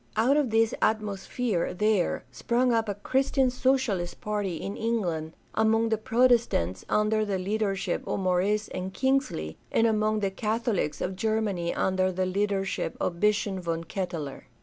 Out of this atmosphere there sprang up a Christian Socialist party in England among the Protestants under the leadership of Maurice and Kingsley, and among the Catholics of Ger many under the leadership of Bishop von Ketteler.